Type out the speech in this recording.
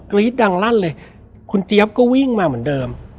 รี๊ดดังลั่นเลยคุณเจี๊ยบก็วิ่งมาเหมือนเดิม